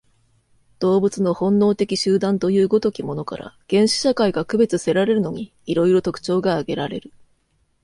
動物の本能的集団という如きものから、原始社会が区別せられるのに、色々特徴が挙げられる。